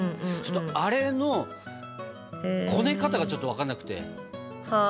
あれのこね方がちょっと分かんなくて。